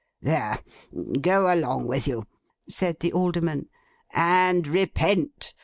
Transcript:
'There! Go along with you,' said the Alderman, 'and repent.